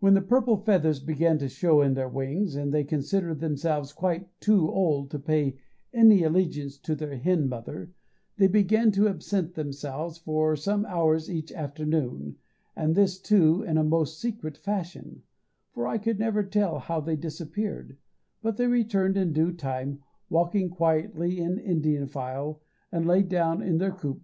When the purple feathers began to show in their wings, and they considered themselves quite too old to pay any allegiance to their hen mother, they began to absent themselves for some hours each afternoon, and this, too, in a most secret fashion, for I could never tell how they disappeared, but they returned in due time, walking quietly in Indian file, and lay down in their coop.